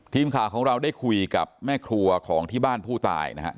ทีมข่าวของเราได้คุยกับแม่ครัวของที่บ้านผู้ตายนะครับ